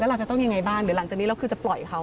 เราจะต้องยังไงบ้างเดี๋ยวหลังจากนี้เราคือจะปล่อยเขา